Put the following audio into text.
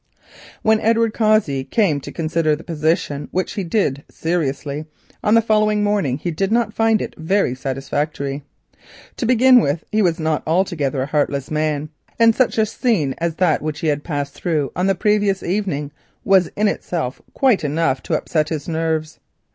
When Edward Cossey came to consider the position, which he did seriously, on the following morning, he did not find it very satisfactory. To begin with, he was not altogether a heartless man, and such a scene as that which he had passed through on the previous evening was in itself quite enough to upset his nerves.